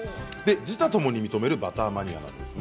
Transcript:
自他ともに認めるバターマニアなんです。